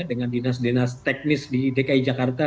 dengan dinas dinas teknis di dki jakarta